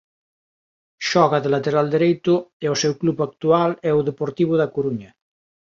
Xoga de lateral dereito e o seu club actual é o Deportivo da Coruña.